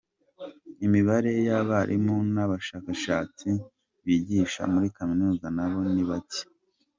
Imibare y’abarimu n’abashakashatsi bigisha muri Kaminuza nabo ni bake.